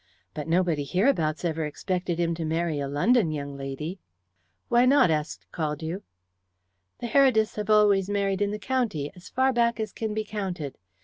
But nobody hereabouts ever expected him to marry a London young lady." "Why not?" asked Caldew. "The Herediths have always married in the county, as far back as can be counted.